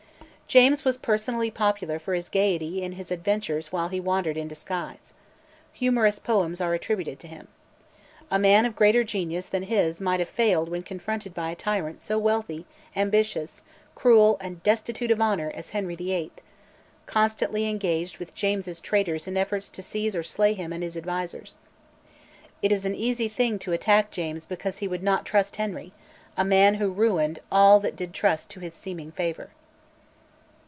James was personally popular for his gaiety and his adventures while he wandered in disguise. Humorous poems are attributed to him. A man of greater genius than his might have failed when confronted by a tyrant so wealthy, ambitious, cruel, and destitute of honour as Henry VIII.; constantly engaged with James's traitors in efforts to seize or slay him and his advisers. It is an easy thing to attack James because he would not trust Henry, a man who ruined all that did trust to his seeming favour.